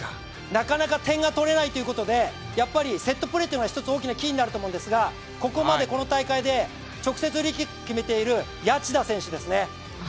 なかなか点が取れないということで、セットプレーが１つ大きなキーになると思うんですがここまでこの大会で直接フリーキックを決めている谷内田選手ですね。